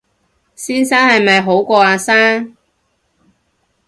先生係咪好過阿生